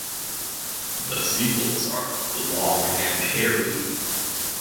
The sepals are long and hairy.